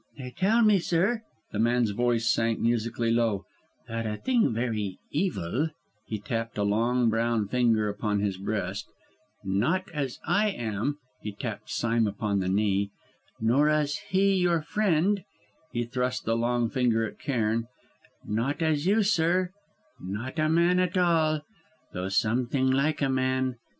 "They tell me, sir," the man's voice sank musically low "that a thing very evil" he tapped a long brown finger upon his breast "not as I am" he tapped Sime upon the knee "not as he, your friend" he thrust the long finger at Cairn "not as you, sir; not a man at all, though something like a man!